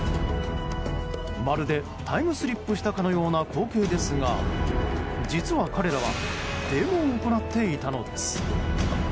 まるでタイムスリップしたかのような光景ですが実は、彼らはデモを行っていたのです。